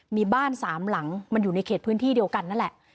มีบ้านสามหลังมันอยู่ในเขตพื้นที่เดียวกันนั่นแหละ